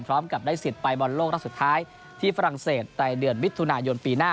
พร้อมกับได้สิทธิ์ไปบอลโลกรอบสุดท้ายที่ฝรั่งเศสในเดือนมิถุนายนปีหน้า